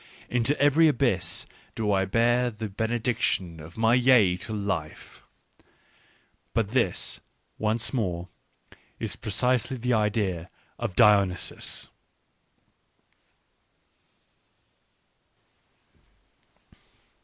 Into every abyss do I bear the / benediction of my yea to Life." ... But this, once more, is precisely the idea of Dionysus.